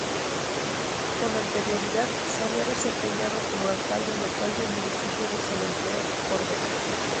Con anterioridad se había desempeñado como alcalde local del municipio de San Antero, Córdoba.